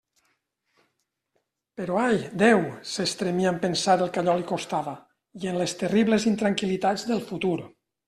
Però ai, Déu!, s'estremia en pensar el que allò li costava i en les terribles intranquil·litats del futur.